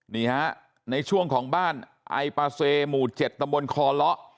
นี่ครับในช่วงของบ้านไอปาเซหมู่๗ตคล